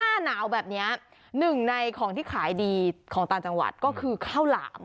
หน้าหนาวแบบเนี้ยหนึ่งในของที่ขายดีของต่างจังหวัดก็คือข้าวหลาม